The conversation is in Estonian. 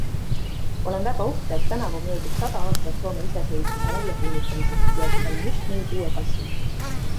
Olen väga uhke, et tänavu möödub sada aastat Soome iseseisvuse väljakuulutamisest ja et sain just nüüd uue passi.